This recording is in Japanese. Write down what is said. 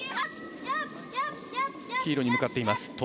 黄色に向かっています。